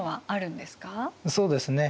そうですね。